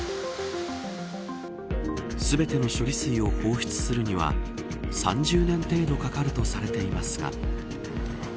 全ての処理水を放出するには３０年程度かかるとされていますが。